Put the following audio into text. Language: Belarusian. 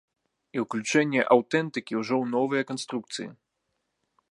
І ўключэнне аўтэнтыкі ўжо ў новыя канструкцыі.